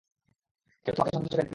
কেউ তোমাকে সন্দেহের চোখে দেখবে না।